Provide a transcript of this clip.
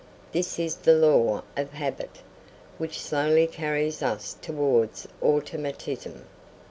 This is the law of habit, which slowly carries us towards automatism.